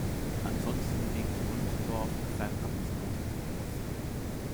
Ansonsten liegt Wulmstorf fernab des großen Verkehrs.